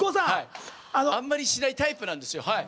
あんまりしないタイプなんですよ。